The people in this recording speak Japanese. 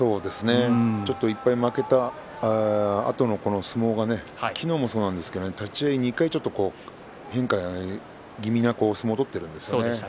ちょっと１敗負けたあとの相撲が昨日もそうなんですけど立ち合い２回ちょっと変化気味の相撲を取っているんですよね。